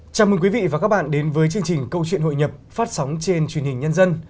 chào mừng quý vị và các bạn đến với chương trình câu chuyện hội nhập phát sóng trên truyền hình nhân dân